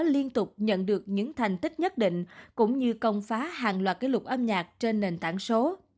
liên tục nhận được những thành tích nhất định cũng như công phá hàng loạt kỷ lục âm nhạc trên nền tảng số